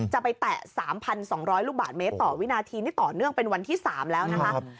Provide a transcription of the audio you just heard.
แตะ๓๒๐๐ลูกบาทเมตรต่อวินาทีนี่ต่อเนื่องเป็นวันที่๓แล้วนะคะ